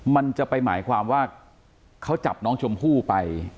มันจะไปหมายความว่าเขาจับน้องชมพู่ไป